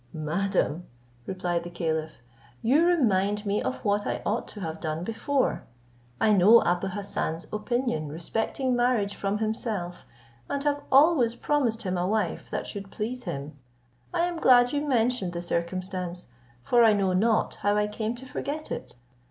"Madam," replied the caliph, "you remind me of what I ought to have done before. I know Abou Hassan's opinion respecting marriage from himself, and have always promised him a wife that should please him. I am glad you mentioned the circumstance; for I know not how I came to forget it.